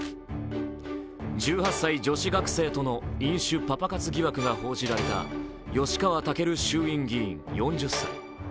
１８歳女子学生との飲酒・パパ活疑惑が報じられた吉川赳衆院議員、４０歳。